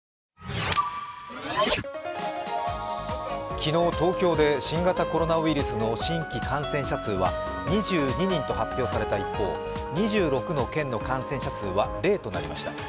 昨日、東京で新型コロナウイルスの新規感染者は２２人と発表された一方２６の県の感染者数は０となりました。